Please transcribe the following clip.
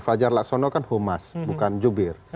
fajar laksono kan humas bukan jubir